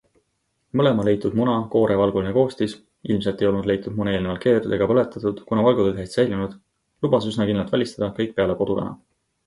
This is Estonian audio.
Mõlema leitud muna koore valguline koostis - ilmset ei olnud leitud mune eelnevalt keedetud ega põletatud, kuna valgud olid hästi säilinud - lubas üsna kindlalt välistada kõik peale kodukana.